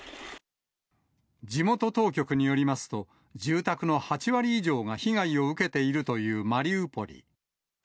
地元当局によりますと、住宅の８割以上が被害を受けているというマリウポリ。